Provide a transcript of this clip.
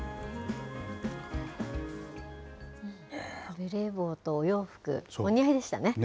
ベレー帽とお洋服、お似合いでしたね。